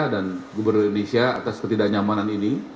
dan gubernur indonesia atas ketidaknyamanan ini